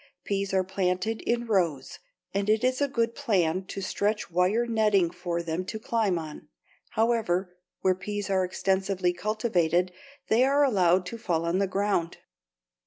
Peas are planted in rows, and it is a good plan to stretch wire netting for them to climb on. However, where peas are extensively cultivated they are allowed to fall on the ground.